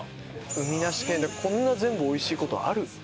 海なし県でこんな全部美味しい事ある？